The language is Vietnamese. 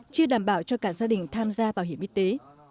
chưa đảm bảo cho cả gia đình tham gia bảo hiểm y tế